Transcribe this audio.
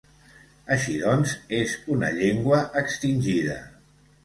Així doncs, és una llengua extingida.